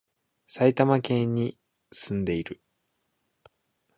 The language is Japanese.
埼玉県に、住んでいる